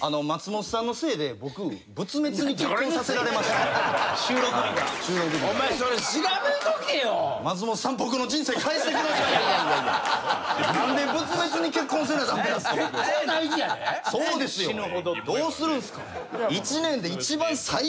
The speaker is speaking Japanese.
松本さんのせいですよ。